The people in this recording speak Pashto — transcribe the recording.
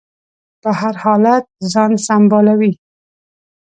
په هر حالت ځان سنبالوي.